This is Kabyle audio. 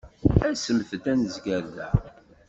Asemt-d ad nezger da.